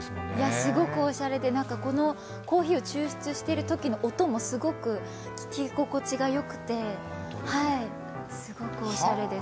すごくおしゃれで、コーヒーを抽出しているときの音もすごく聞き心地がよくて、すごくおしゃれです。